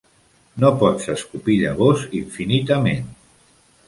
No pots escopir llavors infinitament.